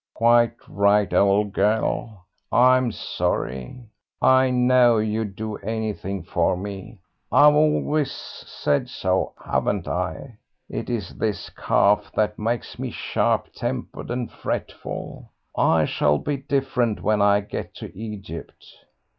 "Quite right, old girl, I'm sorry. I know you'd do anything for me. I've always said so, haven't I? It's this cough that makes me sharp tempered and fretful. I shall be different when I get to Egypt."